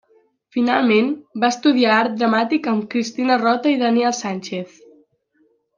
Finalment, va estudiar Art Dramàtic amb Cristina Rota i Daniel Sánchez.